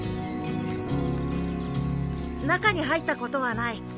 中に入ったことはない。